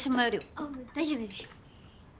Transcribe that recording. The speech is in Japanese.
ああ大丈夫です。